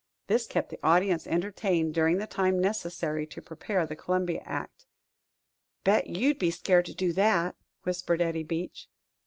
This kept the audience entertained during the time necessary to prepare the Columbia act. "Bet you'd be scared to do that," whispered Eddie Beach.